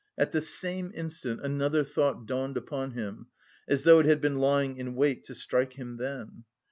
At the same instant, another thought dawned upon him, as though it had been lying in wait to strike him then.